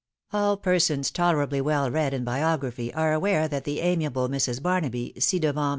All persons tolerably well read in biography are aware that the amiable Mrs. Barnaby, ci devant.